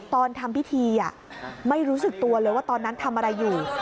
ตอนทำพิธีไม่รู้สึกตัวเลยว่าตอนนั้นทำอะไรอยู่